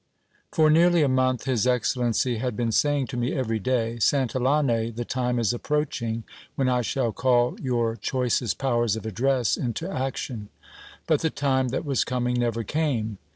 For nearly a month his excellency had been saying to me ever} day : Santillane, the time is approaching, when I shall call your choicest powers of address into action ; but the time that was coming never came.